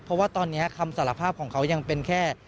เพราะว่าตอนนี้คำสารภาพของเขายังเป็นแค่